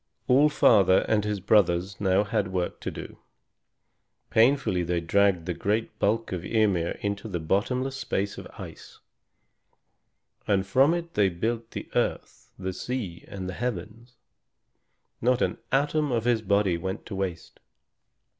All Father and his brothers now had work to do. Painfully they dragged the great bulk of Ymir into the bottomless space of ice, and from it they built the earth, the sea, and the heavens. Not an atom of his body went to waste.